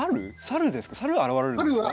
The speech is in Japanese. さる現れるんですか？